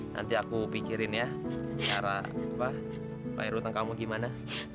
nanti aku pikirin ya cara bayar utang kamu gimana